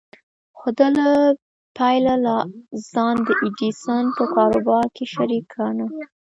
خو ده له پيله لا ځان د ايډېسن په کاروبار کې شريک ګاڼه.